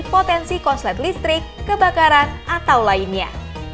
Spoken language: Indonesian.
potensi konslet listrik kebakaran atau lainnya